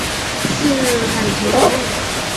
四海求凰。